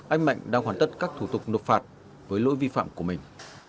anh mạnh đang hoàn tất các thủ tục nộp phạt với lỗi vi phạm của mình